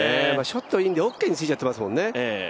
ショットいいんでオッケーについちゃってますもんね。